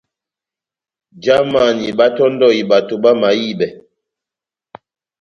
Jamani báhátɔ́ndɔhi bato bamahibɛ.